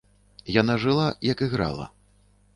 Яна жыла, як іграла.